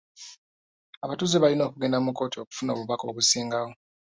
Abatuuze balina okugenda mu kkooti okufuna obubaka obusingawo.